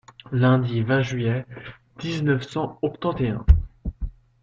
Lundi vingt juillet dix-neuf cent octante et un.